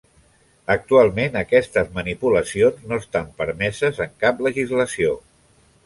Actualment aquestes manipulacions no estan permeses en cap legislació.